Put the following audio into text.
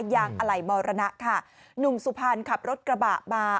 อย่างอะไหล่มรณะค่ะหนุ่มสุพรรณขับรถกระบะมา